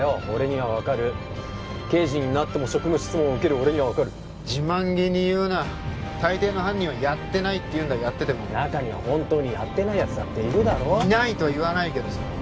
俺には分かる刑事になっても職務質問を受ける俺には分かる自慢気に言うな大抵の犯人はやってないって言うんだやってても中には本当にやってないやつだっているだろいないとは言わないけどさ